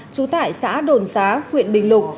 chủ tải xã đồn xá huyện bình lục